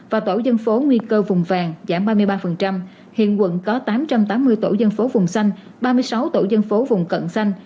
và tổ dân phố nguy cơ vùng vàng giảm ba mươi ba hiện quận có tám trăm tám mươi tổ dân phố vùng xanh ba mươi sáu tổ dân phố vùng cận xanh